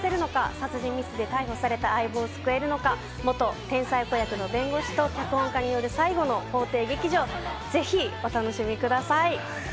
殺人未遂で逮捕された相棒を救えるのか、元天才子役の弁護士と脚本家による最後の法廷劇場、ぜひお楽しみください。